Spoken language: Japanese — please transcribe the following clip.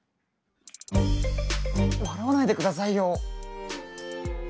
笑わないで下さいよ！